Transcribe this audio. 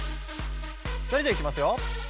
それではいきますよ。